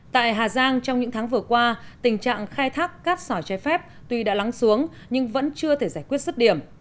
tại hà giang trong những tháng vừa qua tình trạng khai thác cát sỏi trái phép tuy đã lắng xuống nhưng vẫn chưa thể giải quyết xuất điểm